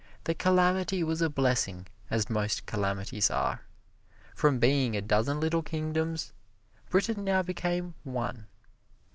The calamity was a blessing as most calamities are. From being a dozen little kingdoms, Britain now became one.